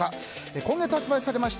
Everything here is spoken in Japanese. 今月発売されました